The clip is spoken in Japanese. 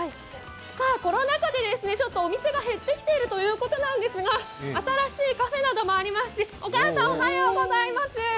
コロナ禍でお店が減ってきているということなんですが、新しいカフェなどもありますしお母さん、おはようございます。